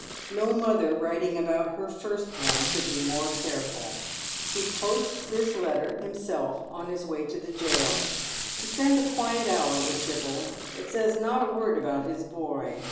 No mother writing about her firstborn could be more careful. He posts this letter himself on his way to the jail. He spends a quiet hour with Sibyl, but says not a word about tifl boy.